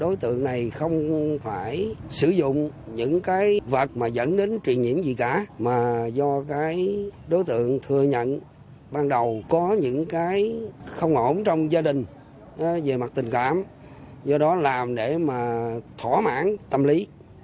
đối tượng này không phải sử dụng những cái vật mà dẫn đến truyền nhiễm gì cả mà do cái đối tượng thừa nhận ban đầu có những cái không ổn trong gia đình về mặt tình cảm do đó làm để mà thỏa mãn tâm lý